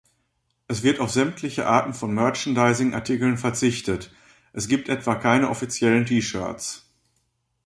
Es wird auf sämtliche Arten von Merchandising-Artikeln verzichtet, es gibt etwa keine offiziellen T-Shirts.